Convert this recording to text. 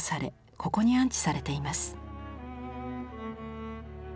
ここに安置されています。